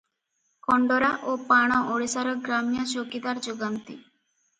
କଣ୍ଡରା ଓ ପାଣ ଓଡିଶାର ଗ୍ରାମ୍ୟ ଚୌକିଦାର ଯୋଗାନ୍ତି ।